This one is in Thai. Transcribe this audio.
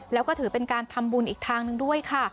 แล้วก็ถือเป็นการทำบุญอีกทางหนึ่งด้วยค่ะ